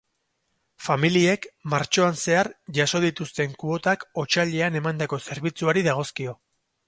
Familiek martxoan zehar jaso dituzten kuotak otsailean emandako zerbitzuari dagozkio.